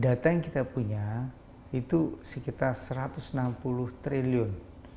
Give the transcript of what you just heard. data yang kita punya itu sekitar satu ratus enam puluh triliun